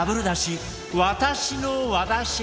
わたしの和だし